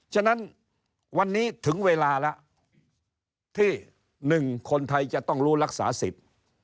ฉะนั้นวันนี้ถึงเวลาแล้วที่หนึ่งคนไทยจะต้องรู้รักษาสิทธิ์